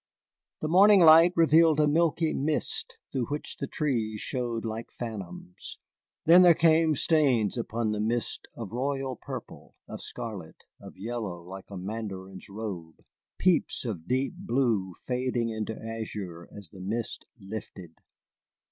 The morning light revealed a milky mist through which the trees showed like phantoms. Then there came stains upon the mist of royal purple, of scarlet, of yellow like a mandarin's robe, peeps of deep blue fading into azure as the mist lifted.